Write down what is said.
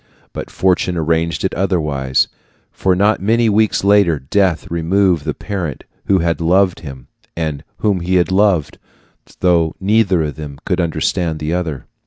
But fortune arranged it otherwise; for not many weeks later death removed the parent who had loved him and whom he had loved, though neither of them could understand the other.